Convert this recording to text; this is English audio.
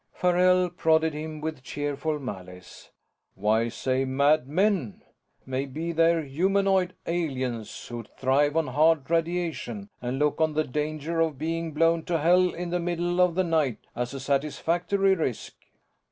Farrell prodded him with cheerful malice. "Why say mad men? Maybe they're humanoid aliens who thrive on hard radiation and look on the danger of being blown to hell in the middle of the night as a satisfactory risk."